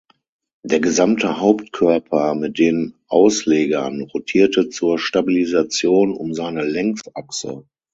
Der gesamte Hauptkörper, mit den Auslegern, rotierte zur Stabilisation um seine Längsachse.